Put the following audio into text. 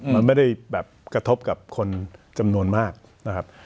มันไม่ได้แบบกระทบกับคนจำนวนมากนะครับ